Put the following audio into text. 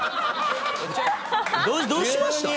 どうしました？